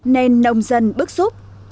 nên nông dân bức xúc